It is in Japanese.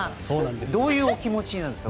どういうお気持ちなんですか？